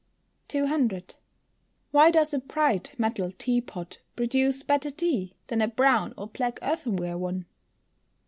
200. _Why does a bright metal tea pot produce better tea than a brown or black earthenware one?